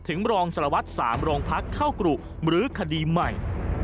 รองสารวัตร๓โรงพักเข้ากรุหรือคดีใหม่